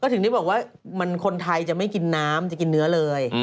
ถึงได้บอกว่าคนไทยจะไม่กินน้ำจะกินเนื้อเลย